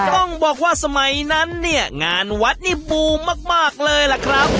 ต้องบอกว่าสมัยนั้นเนี่ยงานวัดนี่บูมมากเลยล่ะครับ